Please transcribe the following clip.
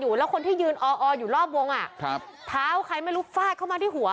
คนที่ยืนอออยู่รอบวงอ่ะครับเท้าใครไม่รู้ฟาดเข้ามาที่หัว